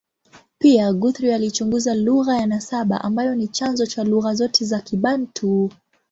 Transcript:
Pia, Guthrie alichunguza lugha ya nasaba ambayo ni chanzo cha lugha zote za Kibantu.